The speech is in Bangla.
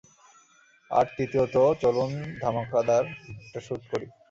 আর তৃতীয়ত, চলুন ধামাকাদার একটা শুট করি!